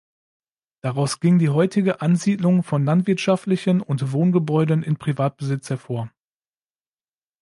Daraus ging die heutige Ansiedlung von landwirtschaftlichen und Wohngebäuden in Privatbesitz hervor.